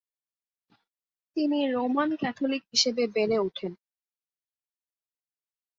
তিনি Roman Catholic হিসেবে বেড়ে ওঠেন।